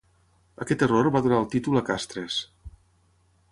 Aquest error va donar el títol a Castres.